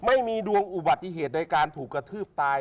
ไม่มีดวงอุบัติเหตุในการถูกกระทืบตาย